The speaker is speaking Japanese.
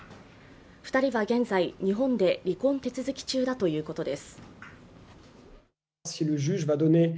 ２人は現在、日本で離婚手続き中だということです。